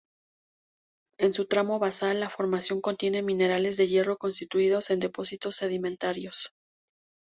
En su tramo basal, la formación contiene minerales de hierro constituidos en depósitos sedimentarios.